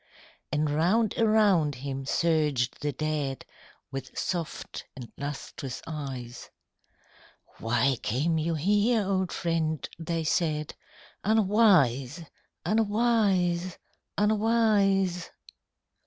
And round around him surged the dead With soft and lustrous eyes. "Why came you here, old friend?" they said: "Unwise ... unwise ... unwise!